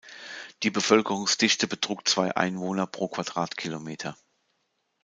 Die Bevölkerungsdichte betrug zwei Einwohner pro Quadratkilometer.